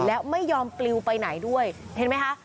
และไม่ยอมปลิวไปไหนด้วยเห็นไหมคะ